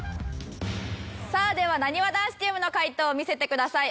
さあではなにわ男子チームの解答見せてください。